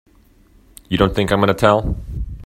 You don't think I'm gonna tell!